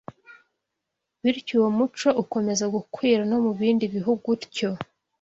Bityo uwo muco ukomeza gukwira no mu bindi bihugu utyo